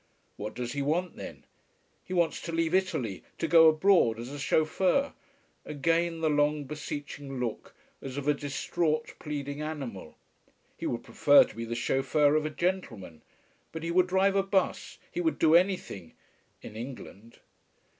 What does he want then? He wants to leave Italy, to go abroad as a chauffeur. Again the long beseeching look, as of a distraught, pleading animal. He would prefer to be the chauffeur of a gentleman. But he would drive a bus, he would do anything in England.